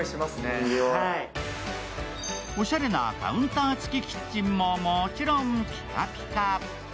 おしゃれなカウンター付きキッチンも、もちろんピカピカ。